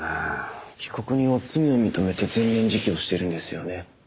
被告人は罪を認めて全面自供してるんですよね。